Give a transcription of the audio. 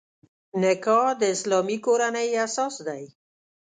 نکاح د اسلامي کورنۍ اساس دی.